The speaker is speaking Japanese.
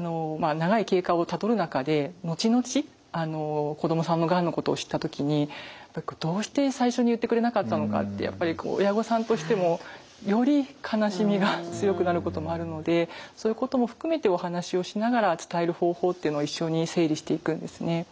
長い経過をたどる中で後々子供さんのがんのことを知った時にどうして最初に言ってくれなかったのかってやっぱり親御さんとしてもより悲しみが強くなることもあるのでそういうことも含めてお話をしながら伝える方法っていうのを一緒に整理していくんですね。